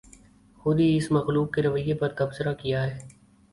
خود ہی اس مخلوق کے رویے پر تبصرہ کیاہے